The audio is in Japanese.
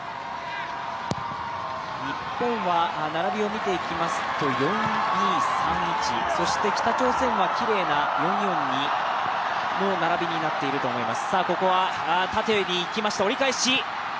日本は並びを見ていきますと、４−２−３−１、そして北朝鮮はきれいな４−４−２の並びになっています。